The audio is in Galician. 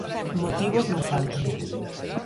Motivos non faltan.